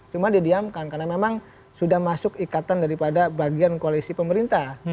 cuma didiamkan karena memang sudah masuk ikatan daripada bagian koalisi pemerintah